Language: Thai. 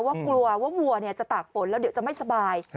ว่ากลัวว่าวัวจะตากฝนแล้วเดี๋ยวจะไม่สบาย